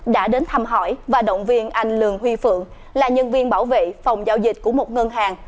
đã đến thăm hỏi và động viên anh lường huy phượng là nhân viên bảo vệ phòng giao dịch của một ngân hàng